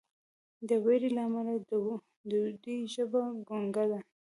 د ویرې له امله د دوی ژبه ګونګه ده.